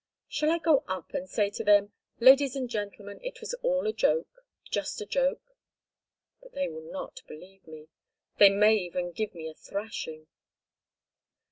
"Shall I go up and say to them: "Ladies and gentlemen, it was all a joke, just a joke'? But they will not believe me. They may even give me a thrashing."